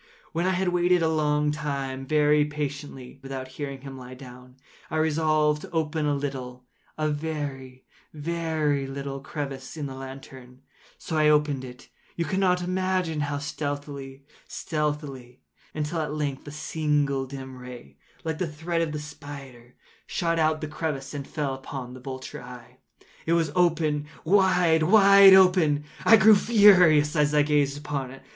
When I had waited a long time, very patiently, without hearing him lie down, I resolved to open a little—a very, very little crevice in the lantern. So I opened it—you cannot imagine how stealthily, stealthily—until, at length a simple dim ray, like the thread of the spider, shot from out the crevice and fell full upon the vulture eye. It was open—wide, wide open—and I grew furious as I gazed upon it.